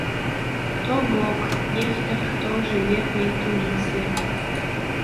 То бок, нехта, хто жыве па інтуіцыі.